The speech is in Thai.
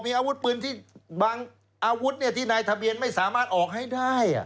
มีอาวุธปืนที่บางอาวุธที่นายทะเบียนไม่สามารถออกให้ได้